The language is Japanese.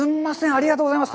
ありがとうございます。